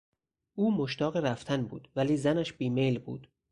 او مشتاق رفتن بود ولی زنش بیمیل بود.